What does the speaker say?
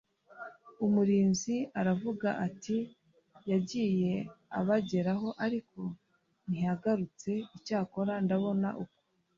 umurinzi aravuga ati yagiye abageraho ariko ntiyagarutse icyakora ndabona uko